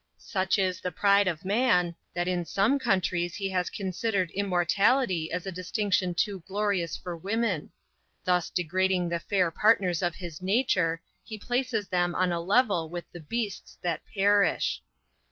Such is the pride of man, that in some countries he has considered immortality as a distinction too glorious for women. Thus degrading the fair partners of his nature, he places them on a level with the beasts that perish.